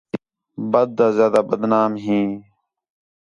بَد آ زیادہ بدنام ہیں